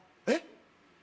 えっ！？